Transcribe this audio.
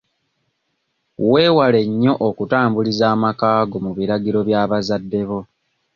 Weewale nnyo okutambuliza amakaago ku biragiro bya bazadde bo.